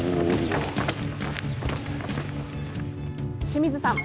清水さん